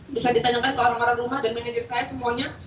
bisa ditanyakan ke orang orang rumah dan manajer saya semuanya